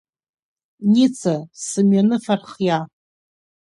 Ница, сымҩаныфа рхиа!